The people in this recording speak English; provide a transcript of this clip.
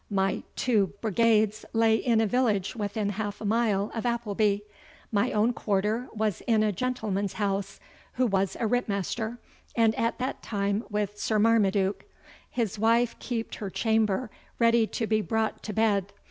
My tuo brigads lay in a village within halfe a mile of Applebie; my own quarter was in a gentleman's house, ho was a Ritmaster, and at that time with Sir Marmaduke; his wife keepd her chamber readie to be brought to bed.